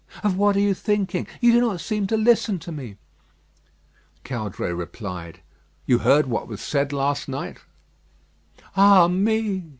Of what are you thinking? You do not seem to listen to me." Caudray replied: "You heard what was said last night?" "Ah, me!"